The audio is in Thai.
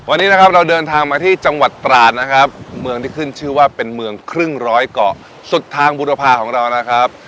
วันนี้นะครับเราเดินทางมาที่จังหวัดตราดนะครับเมืองที่ขึ้นชื่อว่าเป็นเมืองครึ่งร้อยเกาะสุดทางบุรพาของเรานะครับ